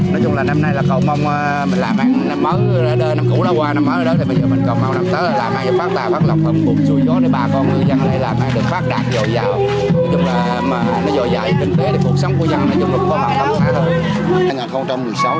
nói chung là nó dòi dãi kinh tế để cuộc sống của ngư dân nói chung là cũng có mặt thống khá hơn